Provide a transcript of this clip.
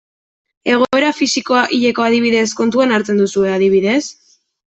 Egoera fisikoa, hilekoa, adibidez, kontuan hartzen duzue adibidez?